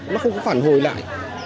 nó không có phản hồi lại